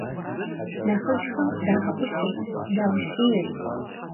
Нэхъыжьхэм дагъэӀущырт, даущийрт.